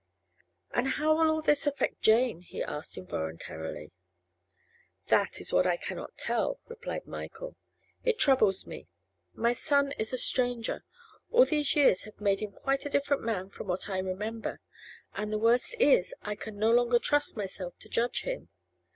'And how will all this affect Jane?' he asked involuntarily. 'That is what I cannot tell,' replied Michael. 'It troubles me. My son is a stranger; all these years have made him quite a different man from what I remember; and the worst is, I can no longer trust myself to judge him.